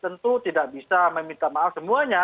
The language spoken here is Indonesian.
tentu tidak bisa meminta maaf semuanya